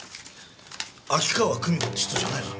秋川久美子って人じゃないぞ。